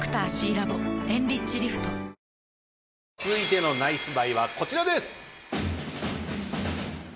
続いてのナイスバイはこちらです。